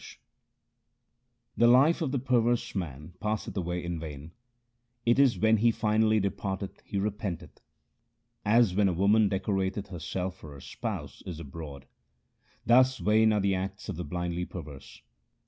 N 2 i8o THE SIKH RELIGION The life of the perverse man passeth away in vain ; it is when he finally departeth he repenteth. As when a woman decorateth herself for her spouse who is abroad, Thus vain are the acts of the blindly perverse.